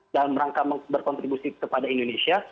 dalam rangka berkontribusi kepada indonesia